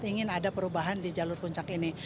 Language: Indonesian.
yang sudah bergantian di jalur puncak ini